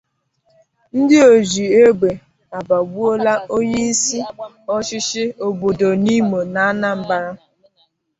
Ndị Òjì Egbè Abagbuola Onyeisi Ọchịchị Obodo Nimo n'Anambra